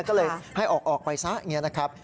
ก็เลยให้ออกไปซะอย่างนี้นะครับ